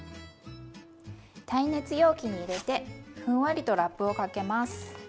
耐熱容器に入れてふんわりとラップをかけます。